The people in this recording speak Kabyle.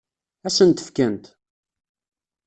Ad sen-t-fkent?